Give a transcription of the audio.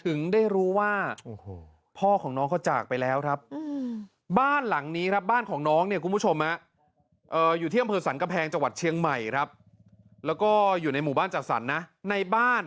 ถึงได้รู้ว่าพ่อของน้องเขาจากไปเล่าเนี่ยครับ